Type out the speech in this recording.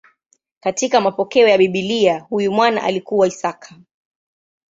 Katika mapokeo ya Biblia huyu mwana alikuwa Isaka.